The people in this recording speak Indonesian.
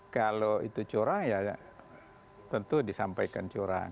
kalau itu curang ya tentu disampaikan curang